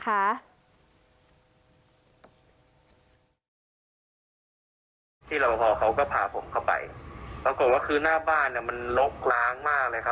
ที่เราพอเขาก็พาผมเข้าไปปรากฏว่าคือหน้าบ้านเนี่ยมันลกล้างมากเลยครับ